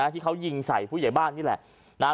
ที่เขายิงใส่ผู้ใหญ่บ้านนี่แหละ